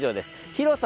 広さ